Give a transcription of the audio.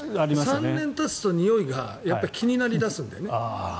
３年たつとにおいが気になりだすんだよね。